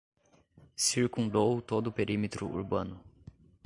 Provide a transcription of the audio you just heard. Circundou todo o perímetro urbano